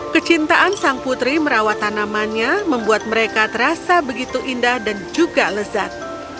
kecintaan sang putri merawat tanamannya membuat mereka terasa begitu indah dan juga lezat